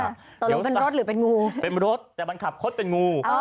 หรือเป็นรถหรือเป็นงูเป็นรถแต่มันขับคดเป็นงู